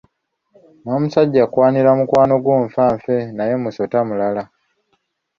N’omusajja akwanira mukwano gwo nfanfe naye musota mulala.